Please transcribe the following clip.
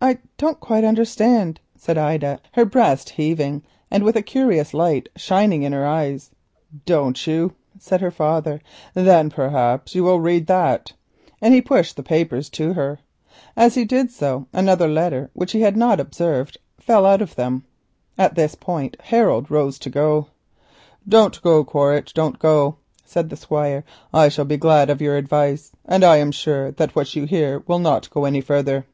"I don't quite understand," said Ida, her breast heaving, and a curious light shining in her eyes. "Don't you?" said her father, "then perhaps you will read that," and he pushed the papers to her. As he did so another letter which he had not observed fell out of them. At this point Harold rose to go. "Don't go, Quaritch, don't go," said the Squire. "I shall be glad of your advice, and I am sure that what you hear will not go any further."